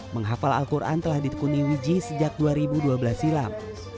menghafal al quran telah ditekuni wiji sejak dua ribu dua belas silam